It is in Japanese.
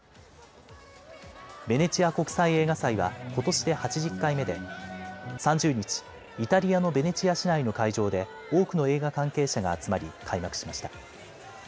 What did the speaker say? ベネチア国際映画祭はことしで８０回目で３０日、イタリアのベネチア市内の会場で多くの映画関係者が集まり開幕しました。